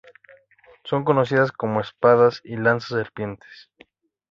Son conocidas como espadas y lanzas serpiente.